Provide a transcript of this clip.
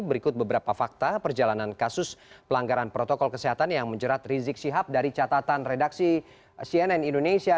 berikut beberapa fakta perjalanan kasus pelanggaran protokol kesehatan yang menjerat rizik sihab dari catatan redaksi cnn indonesia